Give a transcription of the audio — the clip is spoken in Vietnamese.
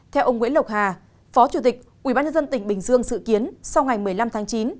theo ông nguyễn lộc hà phó chủ tịch ubnd tỉnh bình dương dự kiến sau ngày một mươi năm tháng chín